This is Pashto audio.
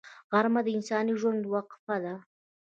غرمه د انساني ژوند وقفه ده